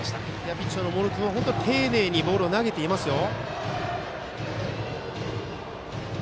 ピッチャーの茂呂君は本当に丁寧にボールを投げていますね。